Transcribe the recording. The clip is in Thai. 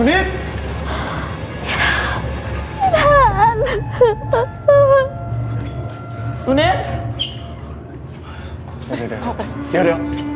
นูนิท